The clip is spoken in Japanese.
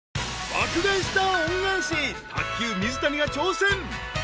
［『爆買い☆スター恩返し』卓球水谷が挑戦］